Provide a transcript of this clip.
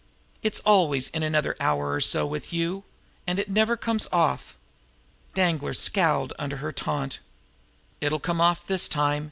It's always in 'another hour or so' with you and it never comes off!" Danglar scowled at her under the taunt. "It'll come off this time!"